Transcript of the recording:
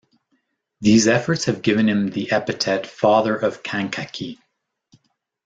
These efforts have given him the epithet Father of Kankakee.